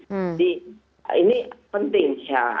jadi ini penting ya